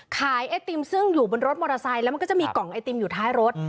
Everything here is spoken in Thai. ไอติมซึ่งอยู่บนรถมอเตอร์ไซค์แล้วมันก็จะมีกล่องไอติมอยู่ท้ายรถ